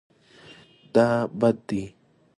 دا بد دی